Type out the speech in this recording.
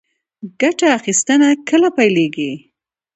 ګټه اخیستنه کله پیلیږي؟